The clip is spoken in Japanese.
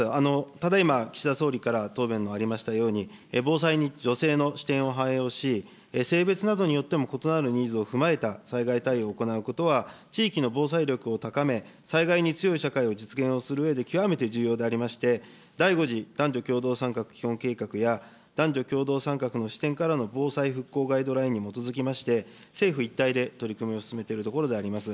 ただいま岸田総理から答弁がありましたように、防災に女性の視点を反映をし、性別などによっても異なるニーズを踏まえた災害対応を行うことは、地域の防災力を高め、災害に強い社会を実現するために極めて重要でありまして、第５次男女共同参画共同計画や、男女共同参画の視点からの防災復興ガイドラインに基づきまして、政府一体で取り組みを進めているところであります。